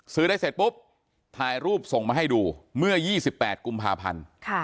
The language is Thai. ซื้อได้เสร็จปุ๊บถ่ายรูปส่งมาให้ดูเมื่อ๒๘กุมภาพันธ์